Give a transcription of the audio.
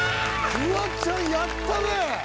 フワちゃんやったね。